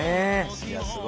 いやすごいです。